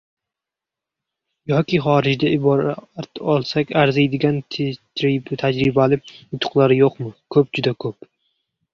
Yoki xorijda ibrat olsak arziydigan tajribalar, yutuqlar yo‘qmi? Ko‘p, juda ko‘p.